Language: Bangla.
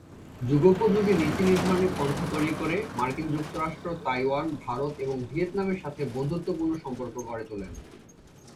যুগোপযোগী নীতি-নির্ধারণী পন্থা তৈরী করে মার্কিন যুক্তরাষ্ট্র, তাইওয়ান, ভারত এবং ভিয়েতনামের সাথে বন্ধুত্বপূর্ণ সম্পর্ক গড়ে তোলেন।